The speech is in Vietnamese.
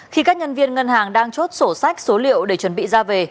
khi các nhân viên ngân hàng đang chốt sổ sách số liệu để chuẩn bị ra về